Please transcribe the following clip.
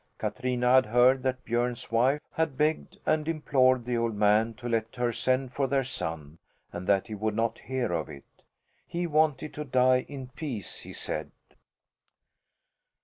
Katrina had heard that Björn's wife had begged and implored the old man to let her send for their son and that he would not hear of it. He wanted to die in peace, he said.